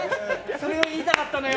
それを言いたかったのよ。